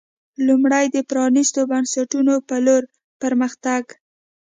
لومړی د پرانېستو بنسټونو په لور پر مخ تګ